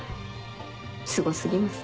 すご過ぎます。